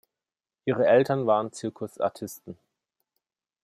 Ihre Eltern waren Zirkusartisten.